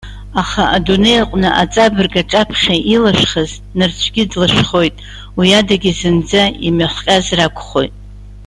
Аха, адунеи аҟны аҵабырг аҿаԥхьа илашәхаз, нарцәгьы длашәхоит, уи адагьы зынӡа имҩахҟьаз ракәхоит.